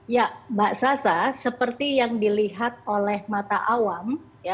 ya mbak sasa seperti yang dilihat oleh mata awam